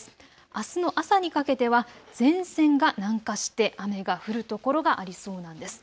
あすの朝にかけては前線が南下して雨が降る所がありそうなんです。